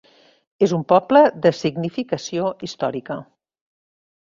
És un poble de significació històrica.